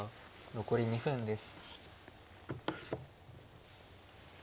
残り２分です。